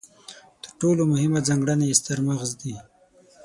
تر ټولو مهمه ځانګړنه یې ستر مغز دی.